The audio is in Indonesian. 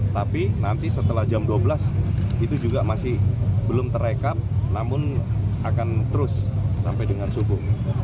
tapi nanti setelah jam dua belas itu juga masih belum terekam namun akan terus sampai dengan subuh